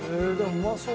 うまそう！